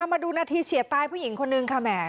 เรามาดูหน้าที่เฉียบตายผู้หญิงคนหนึ่งค่ะแหม